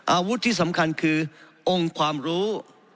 อาวุธที่สำคัญคือองค์ความรู้